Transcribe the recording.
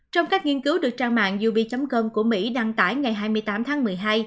trong các nghiên cứu được trang mạng jube com của mỹ đăng tải ngày hai mươi tám tháng một mươi hai